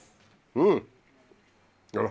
うん！